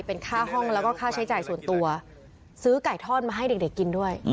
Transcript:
เป็นค่าห้องแล้วก็ค่าใช้จ่ายส่วนตัวซื้อไก่ทอดมาให้เด็กกินด้วย